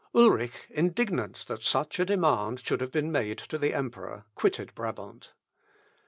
Ulrich, indignant that such a demand should have been made to the emperor, quitted Brabant.